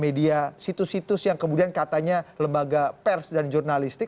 media situs situs yang kemudian katanya lembaga pers dan jurnalistik